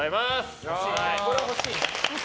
これは欲しいな。